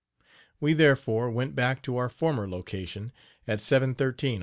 We, therefore, went back to our former location at 713 on the avenue.